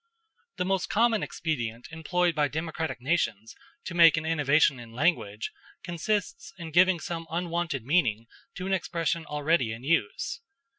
The most common expedient employed by democratic nations to make an innovation in language consists in giving some unwonted meaning to an expression already in use.